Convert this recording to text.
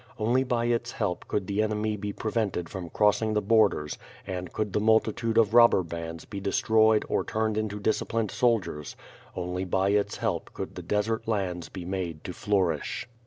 Only by its help could the enemy be prevented from crossing the borders, and could the multi tude of robber bands be destroyed or turned into disciplined soldiers; only by its help could the desert lands be made to flourish.